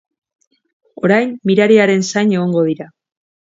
Orain, mirariaren zain egongo dira.